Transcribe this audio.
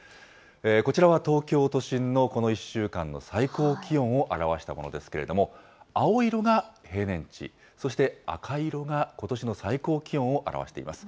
こちらは東京都心のこの１週間の最高気温を表したものですけれども、青色が平年値、そして赤色がことしの最高気温を表しています。